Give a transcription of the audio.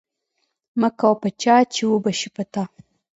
مکوه په چا، چي و به سي په تا